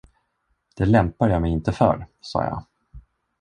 Det lämpar jag mig inte för, sa jag.